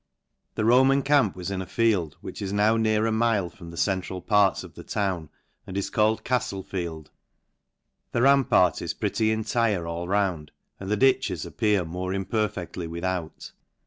The Roman camp was In a field, which is now near a mile from the central parts of the town., and is called Cajlle ficld. Therampartis pretty intire all round, and the ditches appear more • imperfectly without.